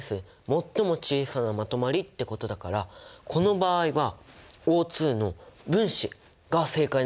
最も小さなまとまりってことだからこの場合はＯの分子が正解なんじゃないかな？